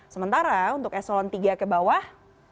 sementara untuk eselon tiga ke bawah